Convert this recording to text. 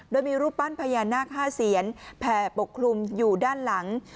โดยมีรูปปั้นพญานาค๕เซียนแผ่ปกคลุมอยู่ด้านหลัง